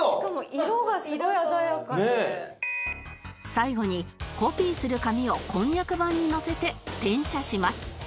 最後にコピーする紙を蒟蒻版にのせて転写します